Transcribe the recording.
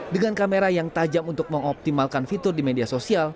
dengan kamera yang tajam untuk mengoptimalkan fitur di media sosial